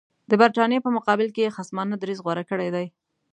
د برټانیې په مقابل کې یې خصمانه دریځ غوره کړی دی.